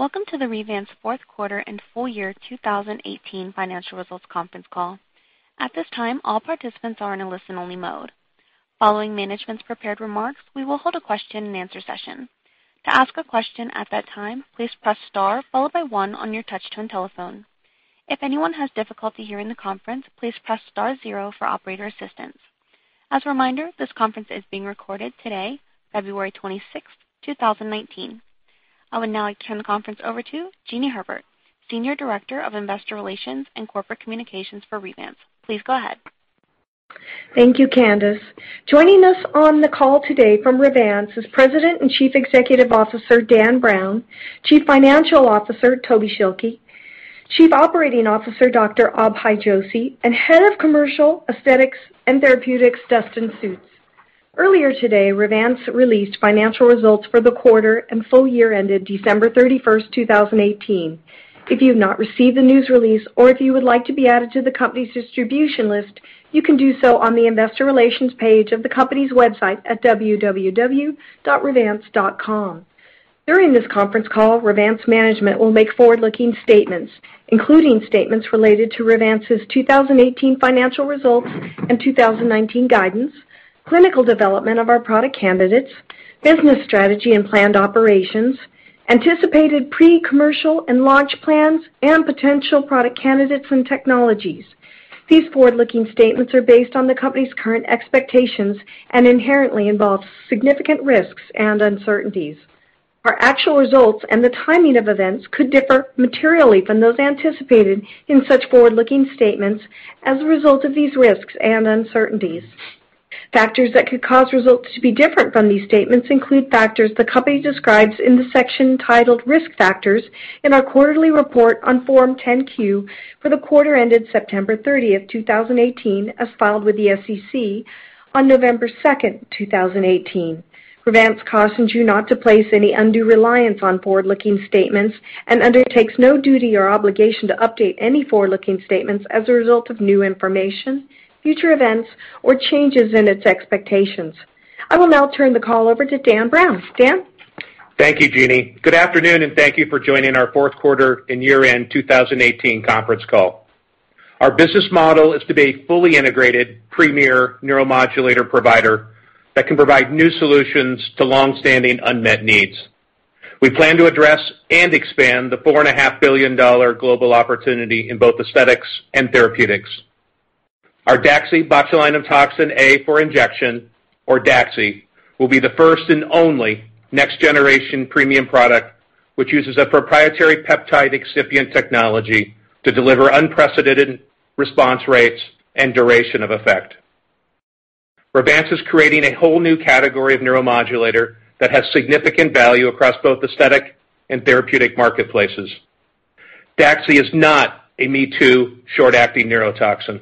Welcome to the Revance fourth quarter and full year 2018 financial results conference call. At this time, all participants are in a listen-only mode. Following management's prepared remarks, we will hold a question-and-answer session. To ask a question at that time, please press star followed by one on your touch-tone telephone. If anyone has difficulty hearing the conference, please press star zero for operator assistance. As a reminder, this conference is being recorded today, February 26th, 2019. I would now like to turn the conference over to Jeanie Herbert, Senior Director of Investor Relations and Corporate Communications for Revance. Please go ahead. Thank you, Candice. Joining us on the call today from Revance is President and Chief Executive Officer, Dan Browne, Chief Financial Officer, Toby Schilke, Chief Operating Officer, Dr. Abhay Joshi, and Head of Commercial Aesthetics and Therapeutics, Dustin Sjuts. Earlier today, Revance released financial results for the quarter and full year ended December 31st, 2018. If you've not received the news release or if you would like to be added to the company's distribution list, you can do so on the investor relations page of the company's website at www.revance.com. During this conference call, Revance management will make forward-looking statements, including statements related to Revance's 2018 financial results and 2019 guidance, clinical development of our product candidates, business strategy and planned operations, anticipated pre-commercial and launch plans, and potential product candidates and technologies. These forward-looking statements are based on the company's current expectations and inherently involve significant risks and uncertainties. Our actual results and the timing of events could differ materially from those anticipated in such forward-looking statements as a result of these risks and uncertainties. Factors that could cause results to be different from these statements include factors the company describes in the section titled Risk Factors in our quarterly report on Form 10-Q for the quarter ended September 30th, 2018, as filed with the SEC on November 2nd, 2018. Revance cautions you not to place any undue reliance on forward-looking statements and undertakes no duty or obligation to update any forward-looking statements as a result of new information, future events, or changes in its expectations. I will now turn the call over to Dan Browne. Dan? Thank you, Jeanie. Good afternoon, and thank you for joining our fourth quarter and year-end 2018 conference call. Our business model is to be a fully integrated, premier neuromodulator provider that can provide new solutions to longstanding unmet needs. We plan to address and expand the $4.5 billion global opportunity in both aesthetics and therapeutics. Our DAXI daxibotulinumtoxinA for injection, or DAXI, will be the first and only next-generation premium product which uses a proprietary peptide excipient technology to deliver unprecedented response rates and duration of effect. Revance is creating a whole new category of neuromodulator that has significant value across both aesthetic and therapeutic marketplaces. DAXI is not a me-too short-acting neurotoxin.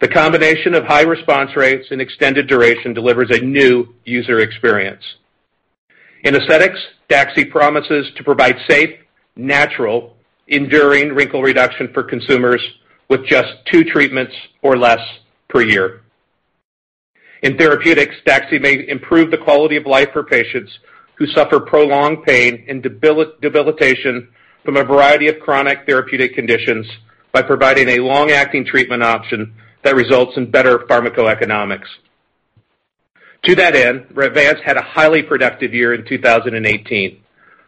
The combination of high response rates and extended duration delivers a new user experience. In aesthetics, DAXI promises to provide safe, natural, enduring wrinkle reduction for consumers with just two treatments or less per year. In therapeutics, DAXI may improve the quality of life for patients who suffer prolonged pain and debilitation from a variety of chronic therapeutic conditions by providing a long-acting treatment option that results in better pharmacoeconomics. To that end, Revance had a highly productive year in 2018.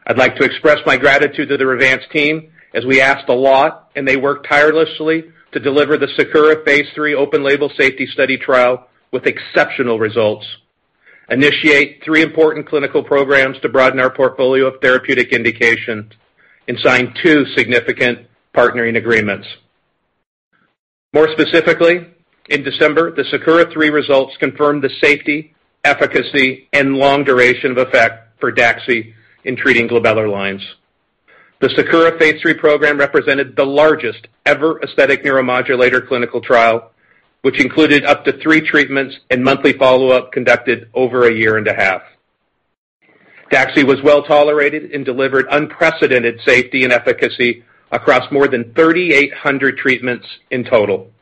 I'd like to express my gratitude to the Revance team, as we asked a lot, and they worked tirelessly to deliver the SAKURA Phase III open-label safety study trial with exceptional results, initiate three important clinical programs to broaden our portfolio of therapeutic indications, and sign two significant partnering agreements. More specifically, in December, the SAKURA III results confirmed the safety, efficacy, and long duration of effect for DAXI in treating glabellar lines. The SAKURA Phase III program represented the largest ever aesthetic neuromodulator clinical trial, which included up to three treatments and monthly follow-up conducted over a year and a half. DAXI was well-tolerated and delivered unprecedented safety and efficacy across more than 3,800 treatments in total.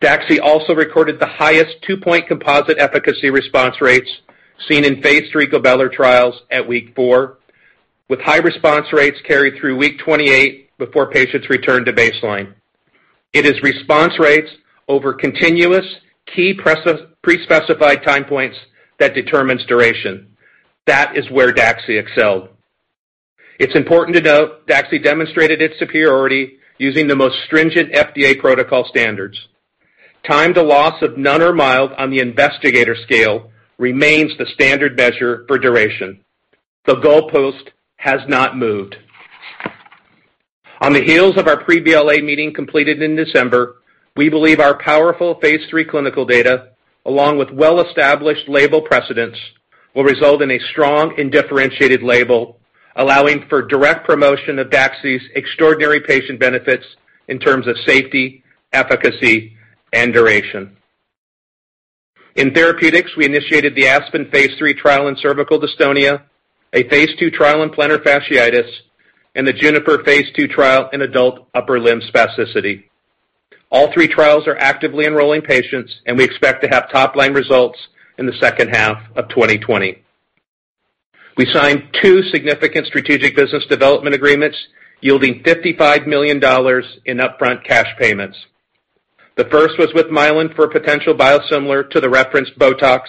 DAXI also recorded the highest two-point composite efficacy response rates seen in Phase III glabellar trials at week 4, with high response rates carried through week 28 before patients returned to baseline. It is response rates over continuous key pre-specified time points that determines duration. That is where DAXI excelled. It's important to note DAXI demonstrated its superiority using the most stringent FDA protocol standards. Time to loss of none or mild on the investigator scale remains the standard measure for duration. The goalpost has not moved. On the heels of our pre-BLA meeting completed in December, we believe our powerful Phase III clinical data, along with well-established label precedents, will result in a strong and differentiated label, allowing for direct promotion of DAXI's extraordinary patient benefits in terms of safety, efficacy, and duration. In therapeutics, we initiated the ASPEN Phase III trial in cervical dystonia, a phase II trial in plantar fasciitis, and the JUNIPER Phase II trial in adult upper limb spasticity. All three trials are actively enrolling patients, and we expect to have top-line results in the second half of 2020. We signed two significant strategic business development agreements yielding $55 million in upfront cash payments. The first was with Mylan for a potential biosimilar to the reference BOTOX.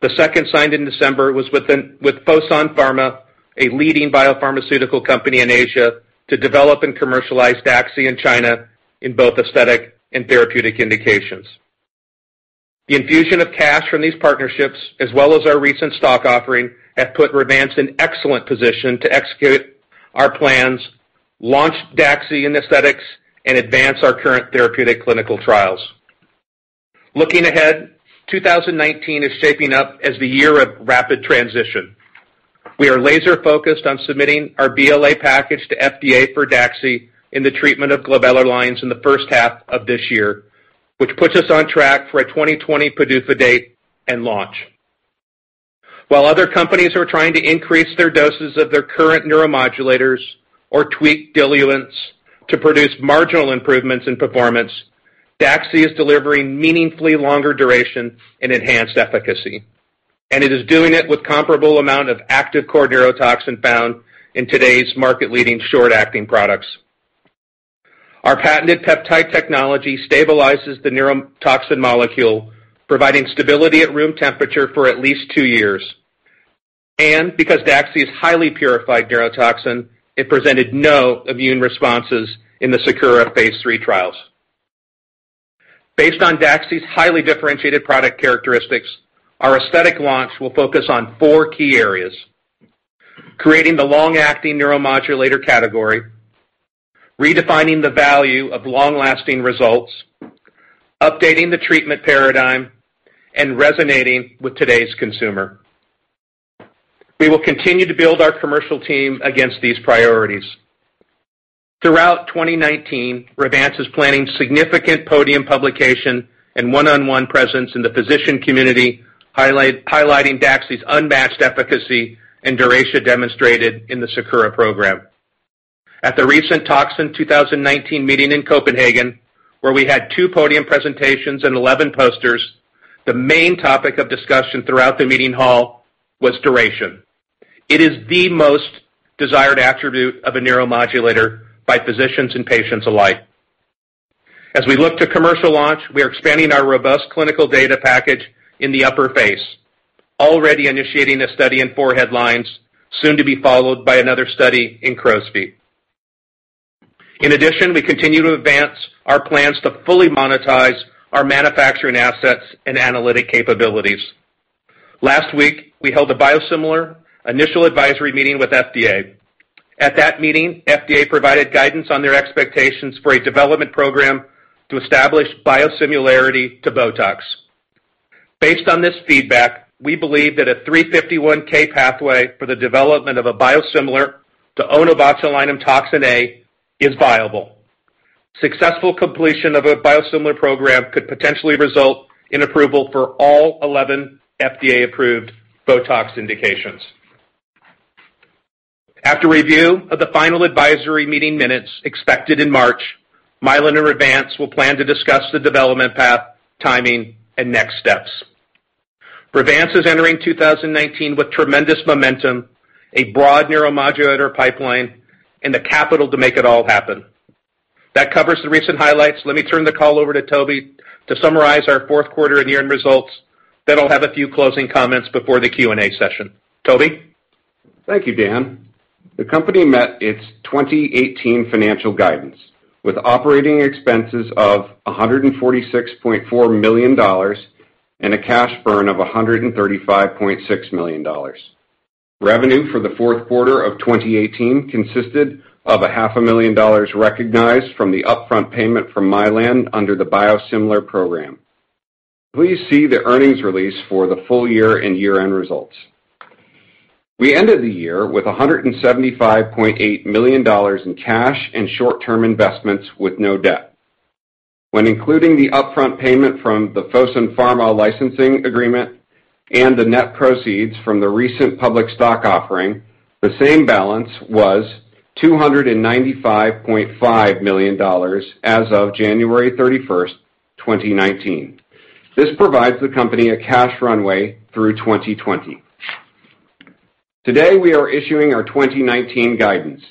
The second, signed in December, was with Fosun Pharma, a leading biopharmaceutical company in Asia, to develop and commercialize DAXI in China in both aesthetic and therapeutic indications. The infusion of cash from these partnerships, as well as our recent stock offering, have put Revance in an excellent position to execute our plans, launch DAXI in aesthetics, and advance our current therapeutic clinical trials. Looking ahead, 2019 is shaping up as the year of rapid transition. We are laser-focused on submitting our BLA package to FDA for DAXI in the treatment of glabellar lines in the first half of this year, which puts us on track for a 2020 PDUFA date and launch. While other companies are trying to increase their doses of their current neuromodulators or tweak diluents to produce marginal improvements in performance, DAXI is delivering meaningfully longer duration and enhanced efficacy, and it is doing it with comparable amount of active core neurotoxin found in today's market-leading short-acting products. Our patented peptide technology stabilizes the neurotoxin molecule, providing stability at room temperature for at least two years. Because DAXI is highly purified neurotoxin, it presented no immune responses in the SAKURA Phase III trials. Based on DAXI's highly differentiated product characteristics, our aesthetic launch will focus on four key areas: creating the long-acting neuromodulator category, redefining the value of long-lasting results, updating the treatment paradigm, and resonating with today's consumer. We will continue to build our commercial team against these priorities. Throughout 2019, Revance is planning significant podium publication and one-on-one presence in the physician community, highlighting DAXI's unmatched efficacy and duration demonstrated in the SAKURA program. At the recent TOXINS 2019 meeting in Copenhagen, where we had two podium presentations and 11 posters, the main topic of discussion throughout the meeting hall was duration. It is the most desired attribute of a neuromodulator by physicians and patients alike. As we look to commercial launch, we are expanding our robust clinical data package in the upper face, already initiating a study in forehead lines, soon to be followed by another study in crow's feet. In addition, we continue to advance our plans to fully monetize our manufacturing assets and analytic capabilities. Last week, we held a Biosimilar Initial Advisory Meeting with FDA. At that meeting, FDA provided guidance on their expectations for a development program to establish biosimilarity to BOTOX. Based on this feedback, we believe that a 351 pathway for the development of a biosimilar to onabotulinumtoxinA is viable. Successful completion of a biosimilar program could potentially result in approval for all 11 FDA-approved BOTOX indications. After review of the final advisory meeting minutes expected in March, Mylan and Revance will plan to discuss the development path, timing, and next steps. Revance is entering 2019 with tremendous momentum, a broad neuromodulator pipeline, and the capital to make it all happen. That covers the recent highlights. Let me turn the call over to Toby to summarize our fourth quarter and year-end results. Then I'll have a few closing comments before the Q&A session. Toby? Thank you, Dan. The company met its 2018 financial guidance with operating expenses of $146.4 million and a cash burn of $135.6 million. Revenue for the fourth quarter of 2018 consisted of a $500,000 recognized from the upfront payment from Mylan under the biosimilar program. Please see the earnings release for the full year and year-end results. We ended the year with $175.8 million in cash and short-term investments with no debt. When including the upfront payment from the Fosun Pharma licensing agreement and the net proceeds from the recent public stock offering, the same balance was $295.5 million as of January 31st, 2019. This provides the company a cash runway through 2020. Today, we are issuing our 2019 guidance.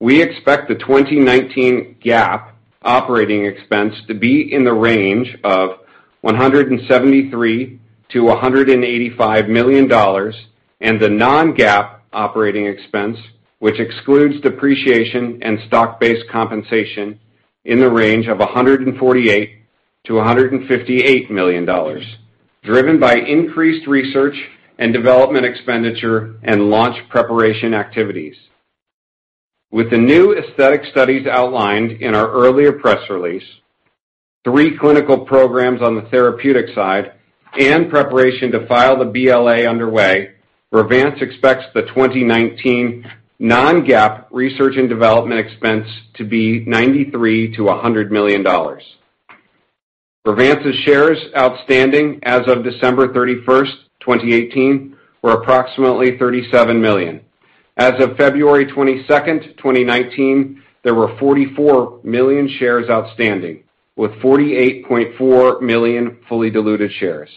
We expect the 2019 GAAP operating expense to be in the range of $173 million-$185 million, and the non-GAAP operating expense, which excludes depreciation and stock-based compensation, in the range of $148 million-$158 million, driven by increased research and development expenditure and launch preparation activities. With the new aesthetic studies outlined in our earlier press release, three clinical programs on the therapeutic side, and preparation to file the BLA underway, Revance expects the 2019 non-GAAP research and development expense to be $93 million-$100 million. Revance's shares outstanding as of December 31st, 2018, were approximately 37 million. As of February 22nd, 2019, there were 44 million shares outstanding, with 48.4 million fully diluted shares.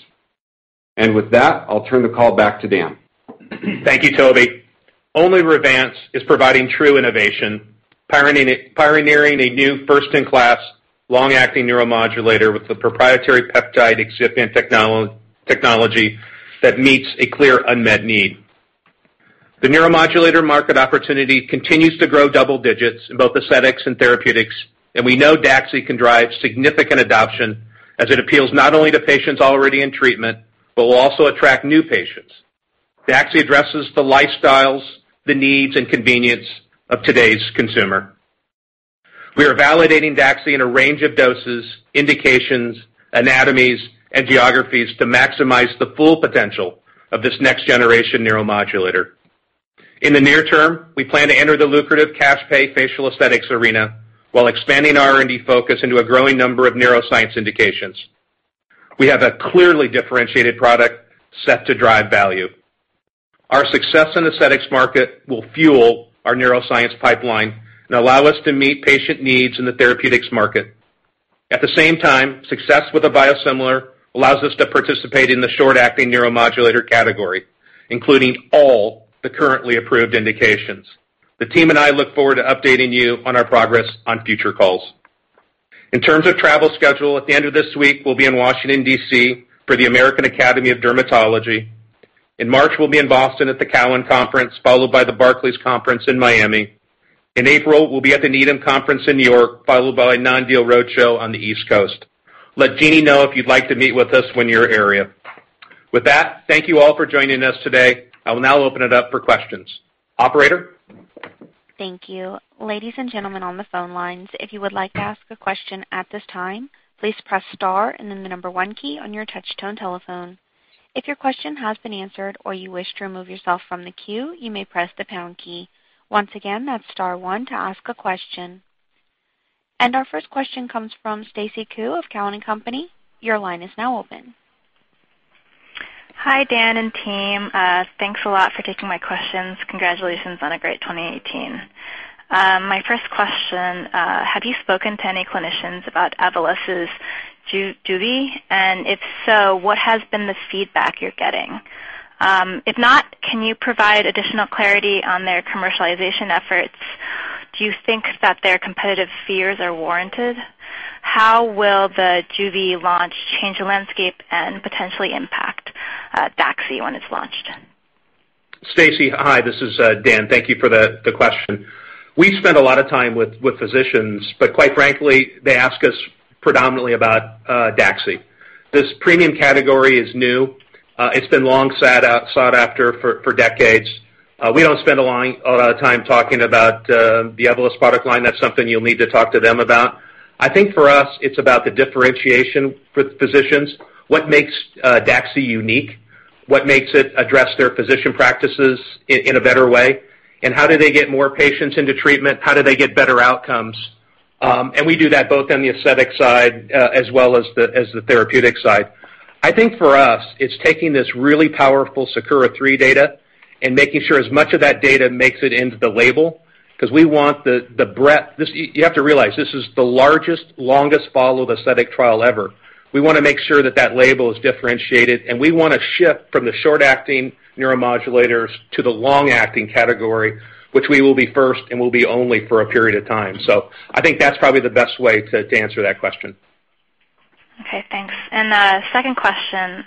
With that, I'll turn the call back to Dan. Thank you, Toby. Only Revance is providing true innovation, pioneering a new first-in-class long-acting neuromodulator with the proprietary peptide excipient technology that meets a clear unmet need. The neuromodulator market opportunity continues to grow double digits in both aesthetics and therapeutics, and we know DAXI can drive significant adoption as it appeals not only to patients already in treatment, but will also attract new patients. DAXI addresses the lifestyles, the needs, and convenience of today's consumer. We are validating DAXI in a range of doses, indications, anatomies, and geographies to maximize the full potential of this next-generation neuromodulator. In the near term, we plan to enter the lucrative cash pay facial aesthetics arena while expanding our R&D focus into a growing number of neuroscience indications. We have a clearly differentiated product set to drive value. Our success in the aesthetics market will fuel our neuroscience pipeline and allow us to meet patient needs in the therapeutics market. At the same time, success with a biosimilar allows us to participate in the short-acting neuromodulator category, including all the currently approved indications. The team and I look forward to updating you on our progress on future calls. In terms of travel schedule, at the end of this week, we'll be in Washington, D.C., for the American Academy of Dermatology. In March, we'll be in Boston at the Cowen Conference, followed by the Barclays Conference in Miami. In April, we'll be at the Needham Conference in New York, followed by a non-deal roadshow on the East Coast. Let Jeanie know if you'd like to meet with us when you're in the area. With that, thank you all for joining us today. I will now open it up for questions. Operator? Thank you. Ladies and gentlemen on the phone lines, if you would like to ask a question at this time, please press star and then the number one key on your touch-tone telephone. If your question has been answered or you wish to remove yourself from the queue, you may press the pound key. Once again, that's star one to ask a question. Our first question comes from Stacy Ku of Cowen and Company. Your line is now open. Hi, Dan and team. Thanks a lot for taking my questions. Congratulations on a great 2018. My first question, have you spoken to any clinicians about Evolus's Jeuveau? If so, what has been the feedback you're getting? If not, can you provide additional clarity on their commercialization efforts? Do you think that their competitive fears are warranted? How will the Jeuveau launch change the landscape and potentially impact DAXI when it's launched? Stacy, hi. This is Dan. Thank you for the question. We spend a lot of time with physicians, but quite frankly, they ask us predominantly about DAXI. This premium category is new. It's been long sought after for decades. We don't spend a lot of time talking about the Evolus product line. That's something you'll need to talk to them about. I think for us, it's about the differentiation with physicians. What makes DAXI unique? What makes it address their physician practices in a better way? How do they get more patients into treatment? How do they get better outcomes? We do that both on the aesthetic side as well as the therapeutic side. I think for us, it's taking this really powerful SAKURA 3 data and making sure as much of that data makes it into the label because we want the breadth. You have to realize, this is the largest, longest followed aesthetic trial ever. We want to make sure that that label is differentiated. We want to shift from the short-acting neuromodulators to the long-acting category, which we will be first and will be only for a period of time. I think that's probably the best way to answer that question. Okay, thanks. Second question,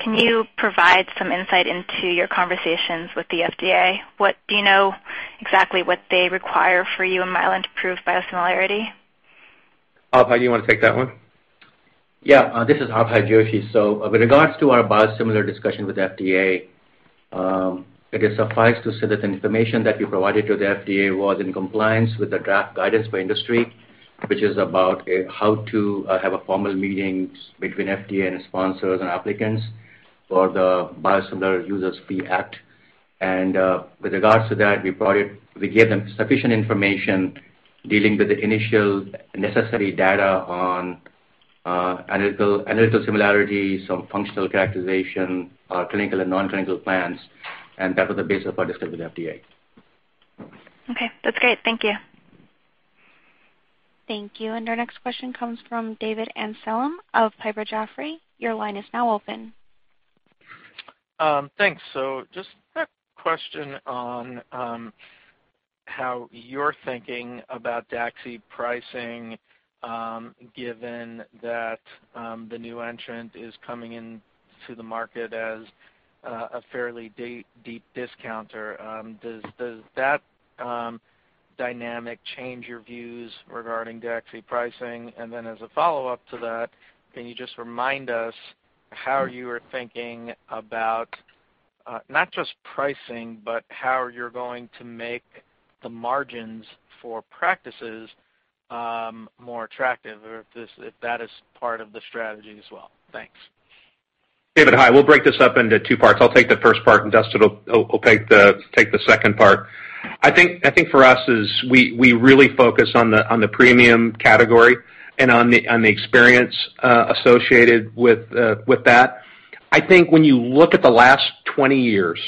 can you provide some insight into your conversations with the FDA? Do you know exactly what they require for you and Mylan to prove Biosimilarity? Abhay, you want to take that one? Yeah. This is Abhay Joshi. With regards to our biosimilar discussion with FDA, I guess suffice to say that the information that we provided to the FDA was in compliance with the draft guidance for industry, which is about how to have formal meetings between FDA and sponsors and applicants for the Biosimilar User Fee Act. With regards to that, we gave them sufficient information dealing with the initial necessary data on analytical similarities or functional characterization, clinical and non-clinical plans, and that was the base of our discussion with FDA. Okay, that's great. Thank you. Thank you. Our next question comes from David Amsellem of Piper Jaffray. Your line is now open. Thanks. Just a quick question on how you're thinking about DAXI pricing, given that the new entrant is coming into the market as a fairly deep discounter. Does that dynamic change your views regarding DAXI pricing? As a follow-up to that, can you just remind us how you are thinking about not just pricing, but how you're going to make the margins for practices more attractive or if that is part of the strategy as well? Thanks. David, hi. We'll break this up into two parts. I'll take the first part, and Dustin will take the second part. I think for us is we really focus on the premium category and on the experience associated with that. I think when you look at the last 20 years,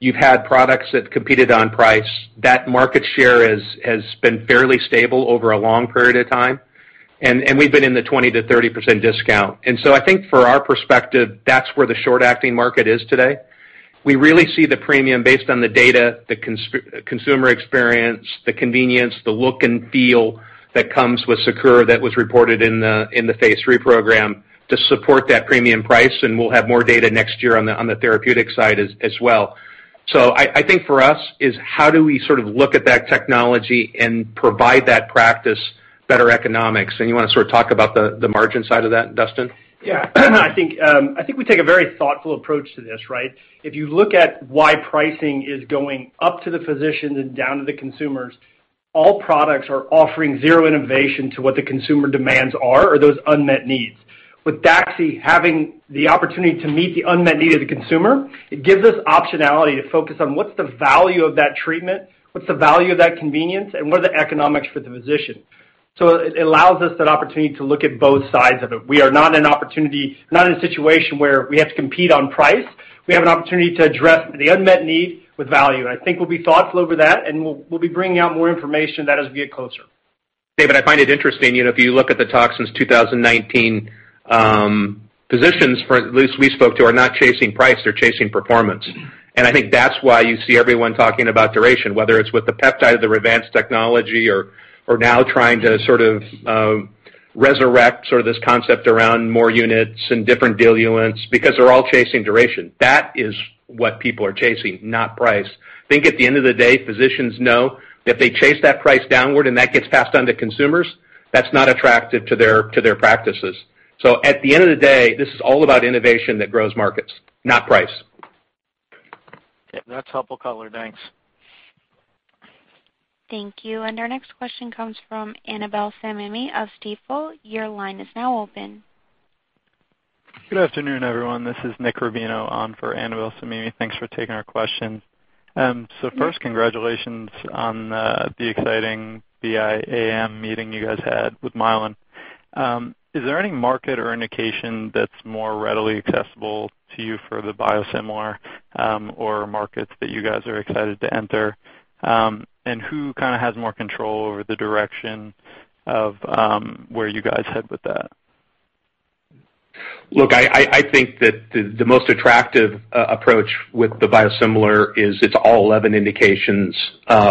you've had products that competed on price. That market share has been fairly stable over a long period of time, and we've been in the 20%-30% discount. I think for our perspective, that's where the short-acting market is today. We really see the premium based on the data, the consumer experience, the convenience, the look and feel that comes with SAKURA that was reported in the phase III program to support that premium price, and we'll have more data next year on the therapeutic side as well. I think for us is how do we sort of look at that technology and provide that practice better economics? You want to sort of talk about the margin side of that, Dustin? Yeah. I think we take a very thoughtful approach to this, right? If you look at why pricing is going up to the physicians and down to the consumers, all products are offering zero innovation to what the consumer demands are or those unmet needs. With DAXI having the opportunity to meet the unmet need of the consumer, it gives us optionality to focus on what's the value of that treatment, what's the value of that convenience, and what are the economics for the physician. It allows us that opportunity to look at both sides of it. We are not in a situation where we have to compete on price. We have an opportunity to address the unmet need with value. I think we'll be thoughtful over that, and we'll be bringing out more information that as we get closer. David, I find it interesting, if you look at the talks since 2019, physicians, for at least we spoke to, are not chasing price, they're chasing performance. I think that's why you see everyone talking about duration, whether it's with the peptide or the Revance technology, or now trying to sort of resurrect sort of this concept around more units and different diluents because they're all chasing duration. That is what people are chasing, not price. I think at the end of the day, physicians know if they chase that price downward and that gets passed on to consumers, that's not attractive to their practices. At the end of the day, this is all about innovation that grows markets, not price. Yeah. That's helpful color. Thanks. Thank you. Our next question comes from Annabel Samimy of Stifel. Your line is now open. Good afternoon, everyone. This is Nick Rubino on for Annabel Samimy. Thanks for taking our question. You're welcome. First, congratulations on the exciting BIAM meeting you guys had with Mylan. Is there any market or indication that's more readily accessible to you for the biosimilar, or markets that you guys are excited to enter? Who kind of has more control over the direction of where you guys head with that? Look, I think that the most attractive approach with the biosimilar is it's all 11 indications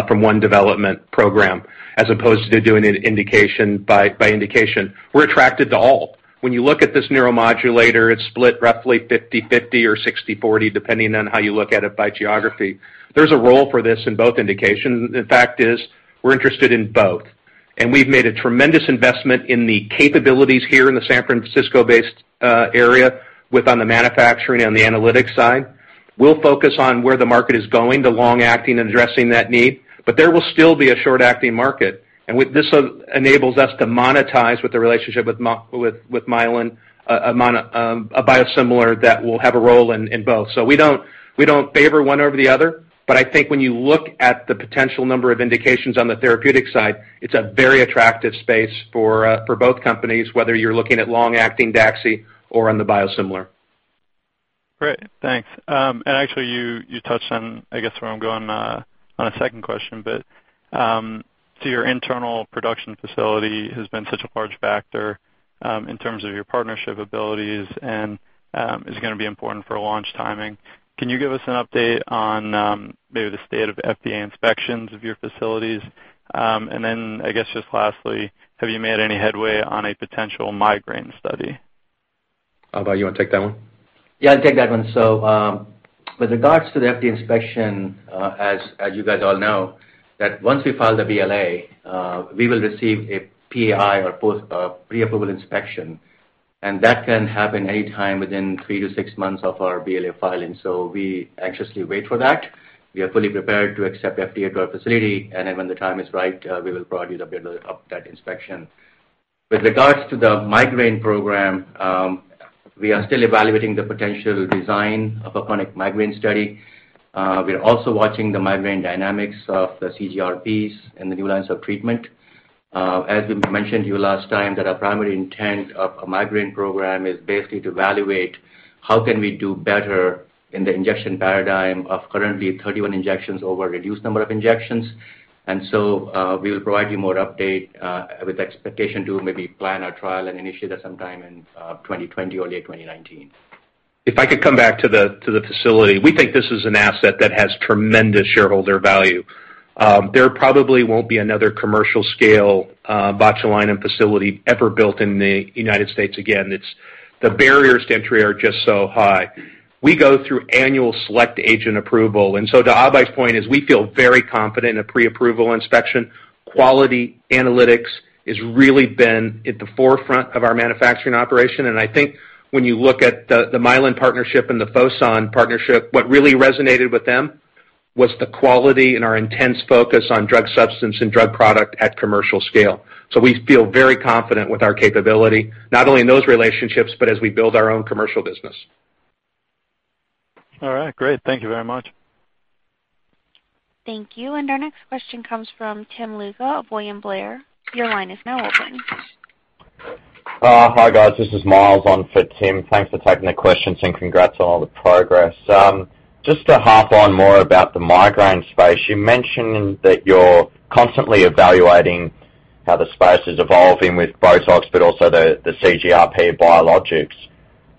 from one development program as opposed to doing it indication by indication. We're attracted to all. When you look at this neuromodulator, it's split roughly 50/50 or 60/40, depending on how you look at it by geography. There's a role for this in both indications. The fact is, we're interested in both. We've made a tremendous investment in the capabilities here in the San Francisco-based area with on the manufacturing and the analytics side. We'll focus on where the market is going to long-acting and addressing that need. There will still be a short-acting market, and this enables us to monetize with the relationship with Mylan a biosimilar that will have a role in both. We don't favor one over the other, but I think when you look at the potential number of indications on the therapeutic side, it's a very attractive space for both companies, whether you're looking at long-acting DAXI or on the Biosimilar. Great. Thanks. Actually, you touched on, I guess, where I'm going on a second question. Your internal production facility has been such a large factor, in terms of your partnership abilities and is going to be important for launch timing. Can you give us an update on maybe the state of FDA inspections of your facilities? I guess just lastly, have you made any headway on a potential migraine study? Abhay, you want to take that one? Yeah, I'll take that one. With regards to the FDA inspection, as you guys all know, that once we file the BLA, we will receive a PAI or Pre-Approval Inspection. That can happen anytime within three to six months of our BLA filing. We anxiously wait for that. We are fully prepared to accept FDA to our facility, and when the time is right, we will provide you the update of that inspection. With regards to the migraine program, we are still evaluating the potential design of a chronic migraine study. We are also watching the migraine dynamics of the CGRPs and the new lines of treatment. As we mentioned to you last time that our primary intent of a migraine program is basically to evaluate how can we do better in the injection paradigm of currently 31 injections over a reduced number of injections. We will provide you more update, with expectation to maybe plan our trial and initiate that sometime in 2020 or late 2019. If I could come back to the facility. We think this is an asset that has tremendous shareholder value. There probably won't be another commercial scale botulinum facility ever built in the U.S. again. The barriers to entry are just so high. We go through annual select agent approval. To Abhay's point is we feel very confident in a Pre-Approval Inspection. Quality analytics is really been at the forefront of our manufacturing operation. I think when you look at the Mylan partnership and the Fosun partnership, what really resonated with them was the quality and our intense focus on drug substance and drug product at commercial scale. We feel very confident with our capability, not only in those relationships, but as we build our own commercial business. All right, great. Thank you very much. Thank you. Our next question comes from Tim Lugo of William Blair. Your line is now open. Hi, guys. This is Myles on for Tim. Thanks for taking the questions, and congrats on all the progress. Just to harp on more about the migraine space, you mentioned that you're constantly evaluating how the space is evolving with BOTOX, but also the CGRP biologics.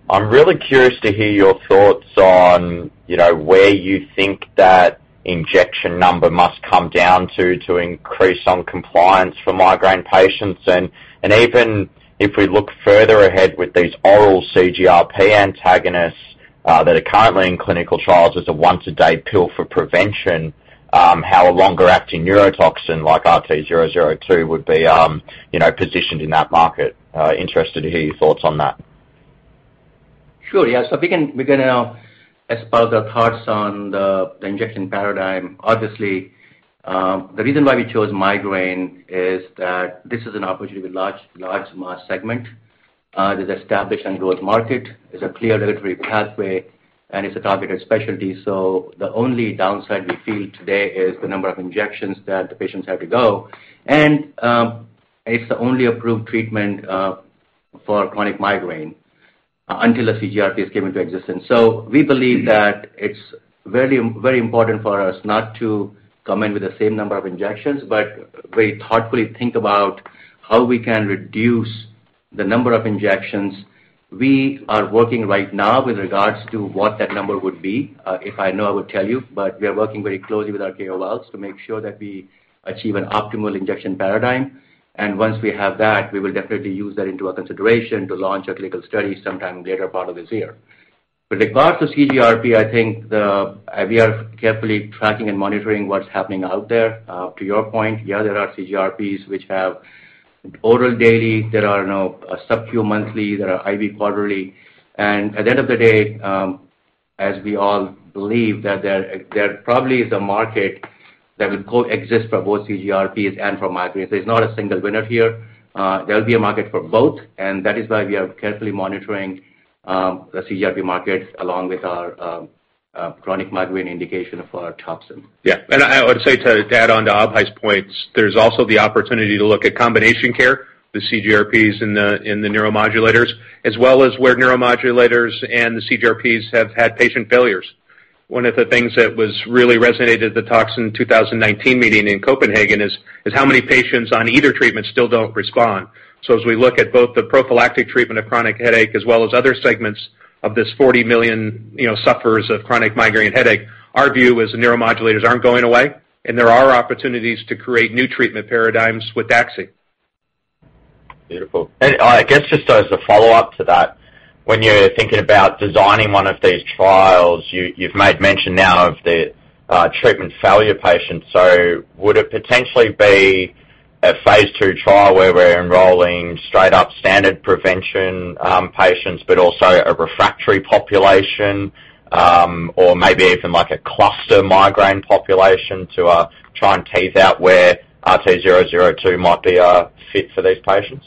I'm really curious to hear your thoughts on where you think that injection number must come down to increase on compliance for migraine patients. Even if we look further ahead with these oral CGRP antagonists that are currently in clinical trials as a once-a-day pill for prevention, how a longer-acting neurotoxin like RT002 would be positioned in that market. Interested to hear your thoughts on that. We can now expose our thoughts on the injection paradigm. Obviously, the reason why we chose migraine is that this is an opportunity with large mass segment. It is established and growth market. It's a clear regulatory pathway, and it's a targeted specialty. The only downside we feel today is the number of injections that the patients have to go. It's the only approved treatment for chronic migraine until the CGRPs came into existence. We believe that it's very important for us not to come in with the same number of injections, but very thoughtfully think about how we can reduce the number of injections. We are working right now with regards to what that number would be. If I know, I would tell you, but we are working very closely with our KOLs to make sure that we achieve an optimal injection paradigm. Once we have that, we will definitely use that into our consideration to launch a clinical study sometime later part of this year. With regards to CGRP, I think we are carefully tracking and monitoring what's happening out there. To your point, yeah, there are CGRPs which have oral daily, there are subcu monthly, there are IV quarterly. At the end of the day, as we all believe that there probably is a market that will coexist for both CGRPs and for migraines. There's not a single winner here. There'll be a market for both, and that is why we are carefully monitoring the CGRP market along with our chronic migraine indication for our toxin. I would say to add on to Abhay's points, there's also the opportunity to look at combination care, the CGRPs in the neuromodulators, as well as where neuromodulators and the CGRPs have had patient failures. One of the things that was really resonated at the TOXINS 2019 meeting in Copenhagen is how many patients on either treatment still don't respond. As we look at both the prophylactic treatment of chronic headache as well as other segments of this 40 million sufferers of chronic migraine headache, our view is neuromodulators aren't going away, and there are opportunities to create new treatment paradigms with DAXI. Beautiful. I guess just as a follow-up to that, when you're thinking about designing one of these trials, you've made mention now of the treatment failure patients. Would it potentially be a phase II trial where we're enrolling straight up standard prevention patients but also a refractory population? Or maybe even like a cluster migraine population to try and tease out where RT002 might be a fit for these patients?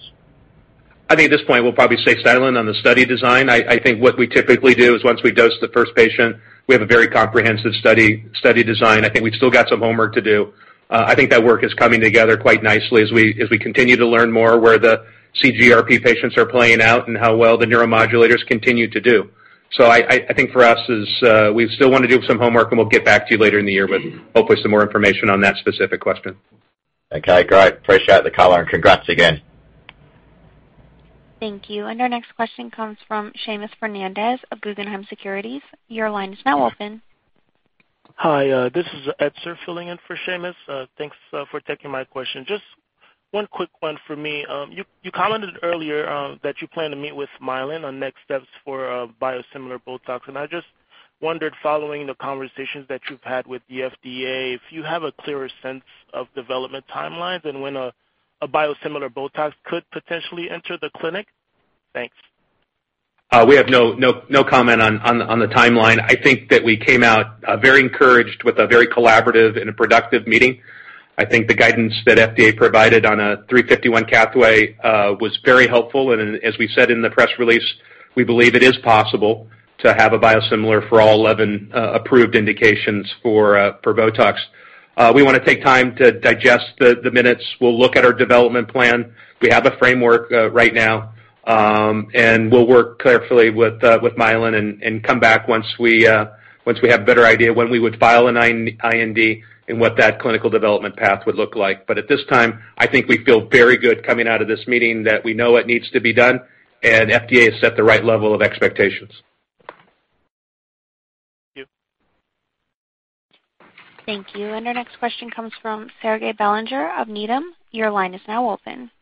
I think at this point, we'll probably stay silent on the study design. I think what we typically do is once we dose the first patient, we have a very comprehensive study design. I think we've still got some homework to do. I think that work is coming together quite nicely as we continue to learn more where the CGRP patients are playing out and how well the neuromodulators continue to do. I think for us is, we still want to do some homework, and we'll get back to you later in the year with hopefully some more information on that specific question. Okay, great. Appreciate the color, congrats again. Thank you. Our next question comes from Seamus Fernandez of Guggenheim Partners. Your line is now open. Hi. This is Etzer filling in for Seamus. Thanks for taking my question. Just one quick one for me. You commented earlier that you plan to meet with Mylan on next steps for a biosimilar BOTOX, and I just wondered, following the conversations that you've had with the FDA, if you have a clearer sense of development timelines and when a biosimilar BOTOX could potentially enter the clinic? Thanks. We have no comment on the timeline. I think that we came out very encouraged with a very collaborative and a productive meeting. I think the guidance that FDA provided on a 351 pathway was very helpful, and as we said in the press release, we believe it is possible to have a biosimilar for all 11 approved indications for BOTOX. We want to take time to digest the minutes. We'll look at our development plan. We have a framework right now, and we'll work carefully with Mylan and come back once we have a better idea when we would file an IND and what that clinical development path would look like. At this time, I think we feel very good coming out of this meeting that we know what needs to be done, and FDA has set the right level of expectations. Thank you. Thank you. Our next question comes from Serge Belanger of Needham. Your line is now open.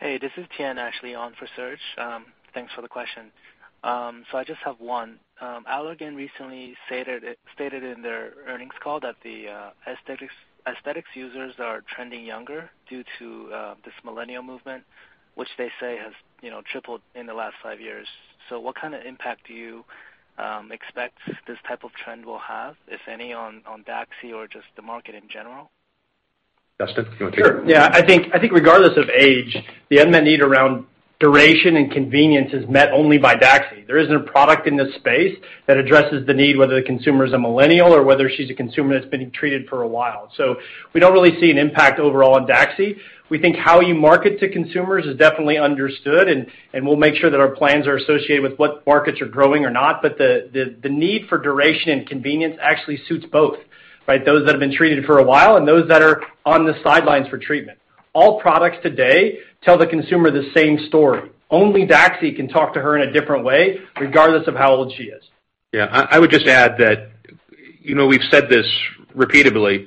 Hey, this is Tian, actually on for Serge. Thanks for the question. I just have one. Allergan recently stated in their earnings call that the aesthetics users are trending younger due to this millennial movement, which they say has tripled in the last five years. What kind of impact do you expect this type of trend will have, if any, on DAXI or just the market in general? Dustin, do you want to take it? Sure. Yeah, I think regardless of age, the unmet need around duration and convenience is met only by DAXI. There isn't a product in this space that addresses the need, whether the consumer is a millennial or whether she's a consumer that's been treated for a while. We don't really see an impact overall on DAXI. We think how you market to consumers is definitely understood, and we'll make sure that our plans are associated with what markets are growing or not. The need for duration and convenience actually suits both, right? Those that have been treated for a while and those that are on the sidelines for treatment. All products today tell the consumer the same story. Only DAXI can talk to her in a different way, regardless of how old she is. Yeah. I would just add that, we've said this repeatedly.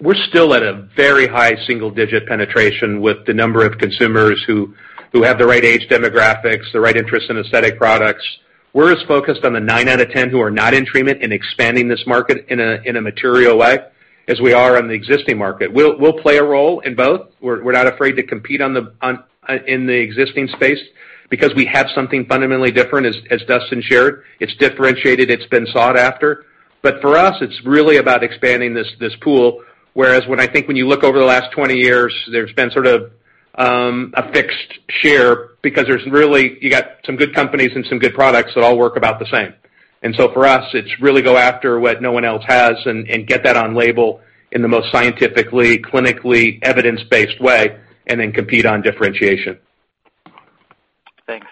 We're still at a very high single-digit penetration with the number of consumers who have the right age demographics, the right interest in aesthetic products. We're as focused on the nine out of 10 who are not in treatment, in expanding this market in a material way, as we are on the existing market. We'll play a role in both. We're not afraid to compete in the existing space because we have something fundamentally different, as Dustin shared. It's differentiated. It's been sought after. When I think when you look over the last 20 years, there's been sort of a fixed share because you got some good companies and some good products that all work about the same. For us, it's really go after what no one else has and get that on label in the most scientifically, clinically evidence-based way, and then compete on differentiation. Thanks.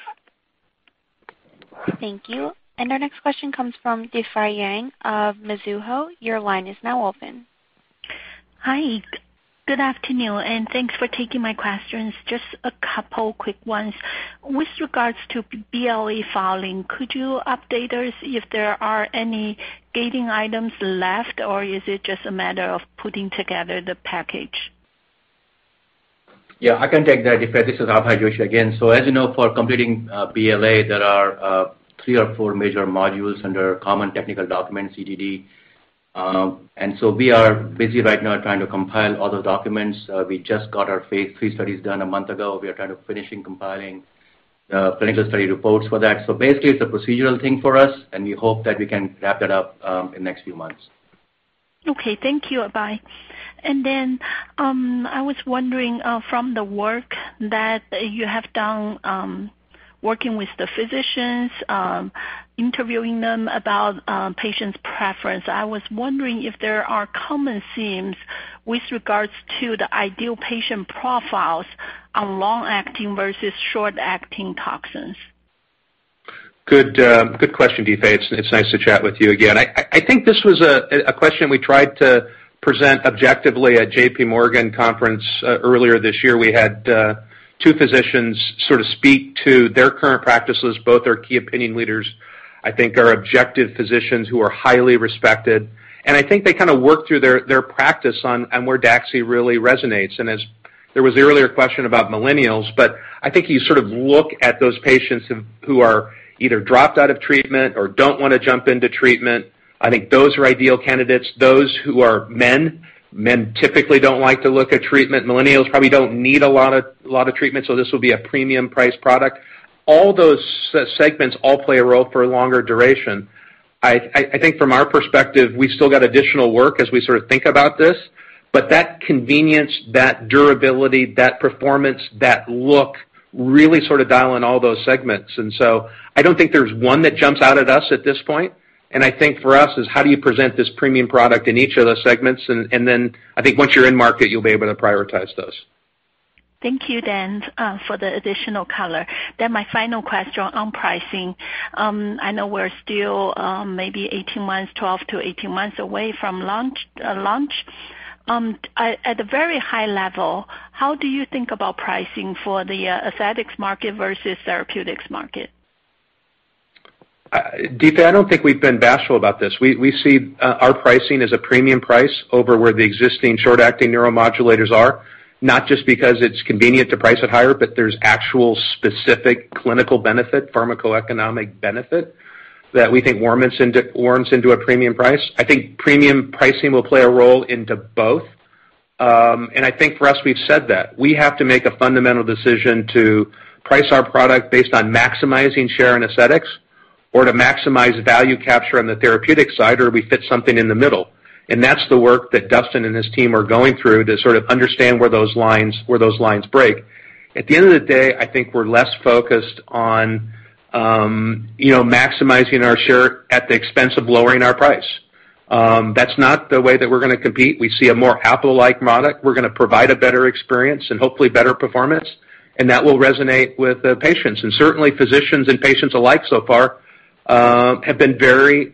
Thank you. Our next question comes from Difei Yang of Mizuho Financial Group. Your line is now open. Hi. Good afternoon, and thanks for taking my questions. Just a couple quick ones. With regards to BLA filing, could you update us if there are any gating items left, or is it just a matter of putting together the package? Yeah, I can take that, Difei. This is Abhay Joshi again. As you know, for completing BLA, there are three or four major modules under Common Technical Document, CTD. We are busy right now trying to compile all those documents. We just got our phase III studies done a month ago. We are kind of finishing compiling clinical study reports for that. Basically, it's a procedural thing for us, and we hope that we can wrap it up in next few months. Okay. Thank you, Abhay. I was wondering from the work that you have done, working with the physicians, interviewing them about patients' preference. I was wondering if there are common themes with regards to the ideal patient profiles on long-acting versus short-acting toxins. Good question, Difei. It's nice to chat with you again. I think this was a question we tried to present objectively at JPMorgan conference, earlier this year. We had two physicians sort of speak to their current practices. Both are key opinion leaders, I think are objective physicians who are highly respected, and I think they kind of work through their practice on where DAXI really resonates. There was the earlier question about millennials, I think you sort of look at those patients who are either dropped out of treatment or don't want to jump into treatment. I think those are ideal candidates. Those who are men typically don't like to look at treatment. Millennials probably don't need a lot of treatment, so this will be a premium price product. All those segments all play a role for a longer duration. I think from our perspective, we still got additional work as we sort of think about this, that convenience, that durability, that performance, that look really sort of dial in all those segments. I don't think there's one that jumps out at us at this point. I think for us is how do you present this premium product in each of those segments? I think once you're in market, you'll be able to prioritize those. Thank you, Dan, for the additional color. My final question on pricing. I know we're still maybe 12-18 months away from launch. At a very high level, how do you think about pricing for the aesthetics market versus therapeutics market? Difei, I don't think we've been bashful about this. We see our pricing as a premium price over where the existing short-acting neuromodulators are. Not just because it's convenient to price it higher, but there's actual specific clinical benefit, pharmacoeconomic benefit that we think warrants into a premium price. I think premium pricing will play a role into both. I think for us, we've said that. We have to make a fundamental decision to price our product based on maximizing share and aesthetics or to maximize value capture on the therapeutic side, or we fit something in the middle. That's the work that Dustin and his team are going through to sort of understand where those lines break. At the end of the day, I think we're less focused on maximizing our share at the expense of lowering our price. That's not the way that we're going to compete. We see a more Apple-like product. We're going to provide a better experience and hopefully better performance. That will resonate with the patients. Certainly, physicians and patients alike so far, have been very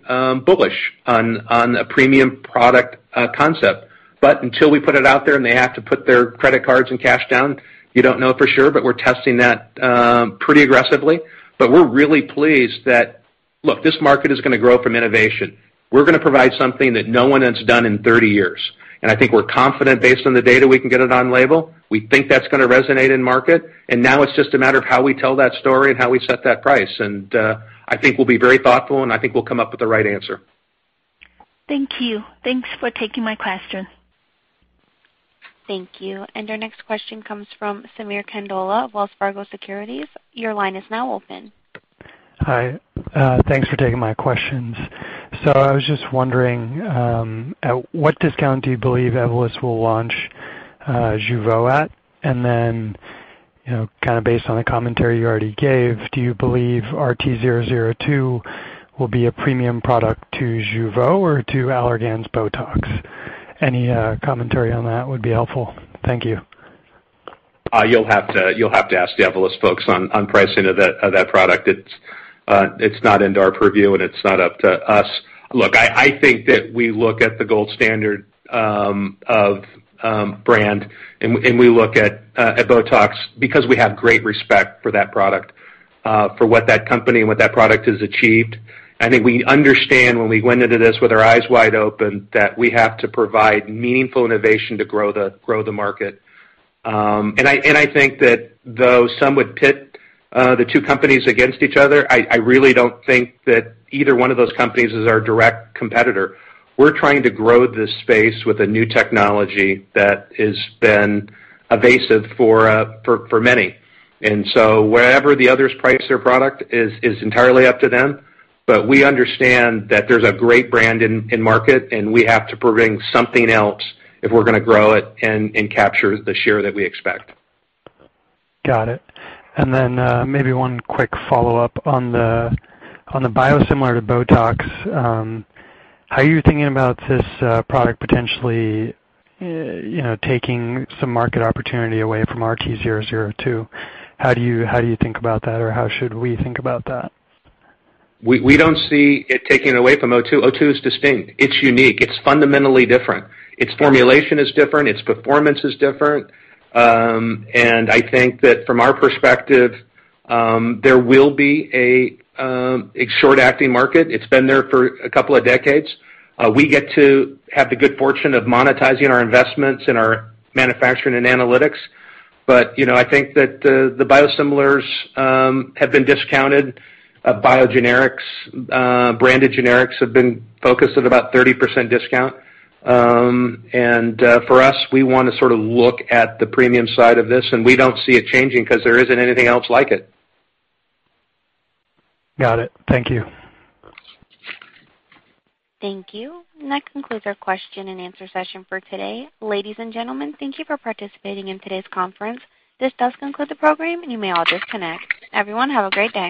bullish on a premium product concept. Until we put it out there and they have to put their credit cards and cash down, you don't know for sure. We're testing that pretty aggressively. We're really pleased that, look, this market is going to grow from innovation. We're going to provide something that no one has done in 30 years. I think we're confident based on the data we can get it on label. We think that's going to resonate in market. Now it's just a matter of how we tell that story and how we set that price. I think we'll be very thoughtful. I think we'll come up with the right answer. Thank you. Thanks for taking my question. Thank you. Our next question comes from Sameer Kandola, Wells Fargo Securities. Your line is now open. Hi. Thanks for taking my questions. I was just wondering, at what discount do you believe Evolus will launch Jeuveau at? Based on the commentary you already gave, do you believe RT002 will be a premium product to Jeuveau or to Allergan's BOTOX? Any commentary on that would be helpful. Thank you. You'll have to ask the Evolus folks on pricing of that product. It's not under our purview, it's not up to us. Look, I think that we look at the gold standard of brand, we look at BOTOX because we have great respect for that product, for what that company and what that product has achieved. I think we understand when we went into this with our eyes wide open, that we have to provide meaningful innovation to grow the market. I think that though some would pit the two companies against each other, I really don't think that either one of those companies is our direct competitor. We're trying to grow this space with a new technology that has been elusive for many. Wherever the others price their product is entirely up to them, we understand that there's a great brand in market, we have to bring something else if we're going to grow it and capture the share that we expect. Got it. Maybe one quick follow-up on the biosimilar to BOTOX. How are you thinking about this product potentially taking some market opportunity away from RT002? How do you think about that, or how should we think about that? We don't see it taking away from RT002. RT002 is distinct. It's unique. It's fundamentally different. Its formulation is different, its performance is different. I think that from our perspective, there will be a short acting market. It's been there for a couple of decades. We get to have the good fortune of monetizing our investments in our manufacturing and analytics. I think that the Biosimilars have been discounted. Biogenerics, branded generics have been focused at about 30% discount. For us, we want to look at the premium side of this, and we don't see it changing because there isn't anything else like it. Got it. Thank you. Thank you. That concludes our question and answer session for today. Ladies and gentlemen, thank you for participating in today's conference. This does conclude the program, and you may all disconnect. Everyone, have a great day